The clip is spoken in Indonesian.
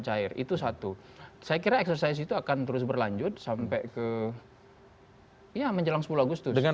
cair itu satu saya kira eksersis itu akan terus berlanjut sampai ke ya menjelang sepuluh agustus dengan